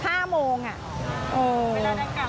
เวลาด้านกลางไม่โดน